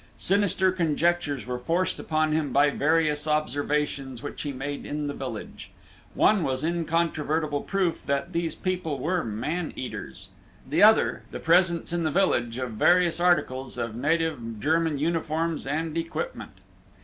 Sinister conjectures were forced upon him by various observations which he made in the village. One was incontrovertible proof that these people were man eaters; the other, the presence in the village of various articles of native German uniforms and equipment.